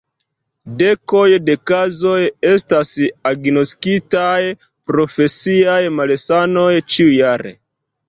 Dekoj de kazoj estas agnoskitaj profesiaj malsanoj ĉiujare.